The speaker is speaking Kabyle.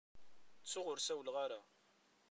Ttuɣ ur sawleɣ ara.